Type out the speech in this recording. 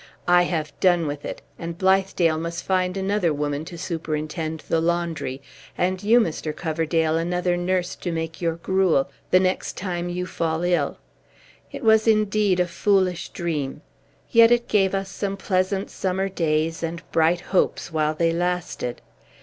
I have done with it; and Blithedale must find another woman to superintend the laundry, and you, Mr. Coverdale, another nurse to make your gruel, the next time you fall ill. It was, indeed, a foolish dream! Yet it gave us some pleasant summer days, and bright hopes, while they lasted.